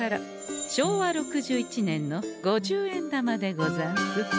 昭和６１年の五十円玉でござんす。